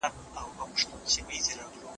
د بریا احساس زده کوونکي ته انرژي ورکوي.